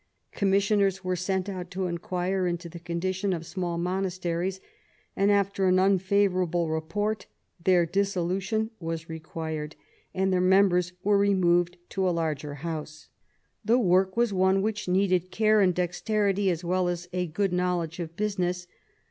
Commissioners were sent out to inquire into the condition of small monas teries, and after an unfavourable report their dissolution was required, and their members were removed to a larger house. The work was one which needed care and dexterity as well as a good knowledge of business.